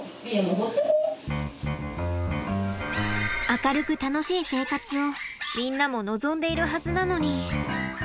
明るく楽しい生活をみんなも望んでいるはずなのに。